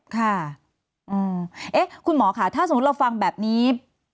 ค่ะเอ๊ะคุณหมอค่ะถ้าสมมุติเราฟังแบบนี้